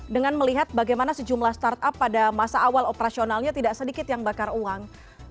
dengan melihat bagaimana sejumlah startup pada masa awal operasionalnya tidak sedikit yang bakar uang